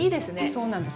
そうなんです。